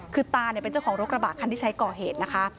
คือตาเป็นเจ้าของรถกระบะคันที่ใช้ก่อเหตุนะคะ